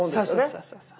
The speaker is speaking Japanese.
そうそうそう。